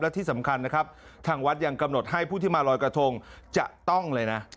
และที่สำคัญนะครับทางวัดยังกำหนดให้ผู้ที่มาลอยกระทงจะต้องเลยนะ